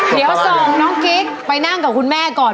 เดี๋ยวส่งน้องกิ๊กไปนั่งกับคุณแม่ก่อน